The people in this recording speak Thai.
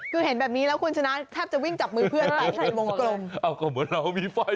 คุณเห็นแบบนี้แล้วคุณชนะแทบจะวิ่งจับมือเพื่อนไป